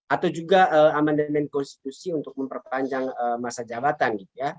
atau juga amendement konstitusi untuk memperpanjang masa jabatan